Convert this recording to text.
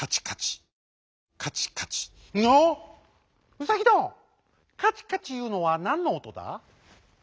ウサギどんカチカチいうのはなんのおとだ？」。